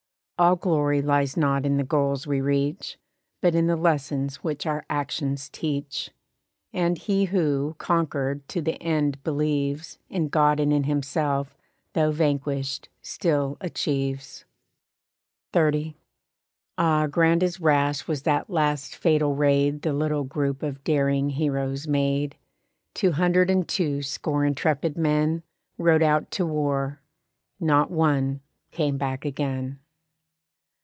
All glory lies not in the goals we reach, But in the lessons which our actions teach. And he who, conquered, to the end believes In God and in himself, though vanquished, still achieves. XXX. Ah, grand as rash was that last fatal raid The little group of daring heroes made. Two hundred and two score intrepid men Rode out to war; not one came back again.